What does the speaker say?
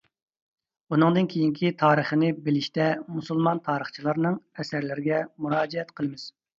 ئۇنىڭدىن كېيىنكى تارىخىنى بىلىشتە مۇسۇلمان تارىخچىلارنىڭ ئەسەرلىرىگە مۇراجىئەت قىلىمىز.